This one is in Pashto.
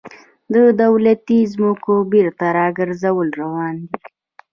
د دولتي ځمکو بیرته راګرځول روان دي